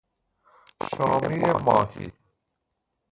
شامی ماهی